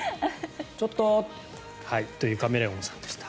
ちょっとー！というカメレオンさんでした。